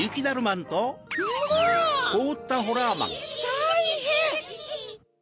たいへん！